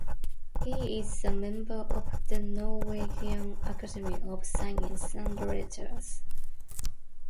He is a member of the Norwegian Academy of Science and Letters.